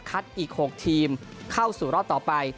อีก๖ทีมเข้าสู่รอบต่อไป